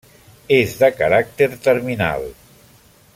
És de caràcter terminal.